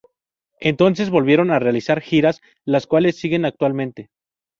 Entonces volvieron a realizar giras, las cuales siguen actualmente.